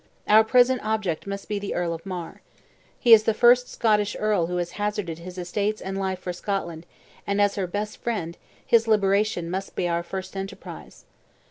Our present object must be the Earl of Mar. He is the first Scottish earl who has hazarded his estates and life for Scotland; and as her best friend, his liberation must be our first enterprise.